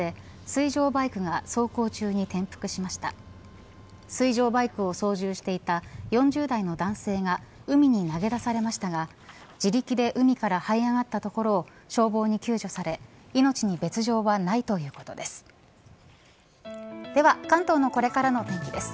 水上バイクを操縦していた４０代の男性が海に投げ出されましたが自力で海からはい上がったところを消防に救助され命に別条はないということです。